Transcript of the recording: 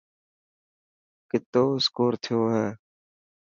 ڪتو اسڪور ٿيو هي.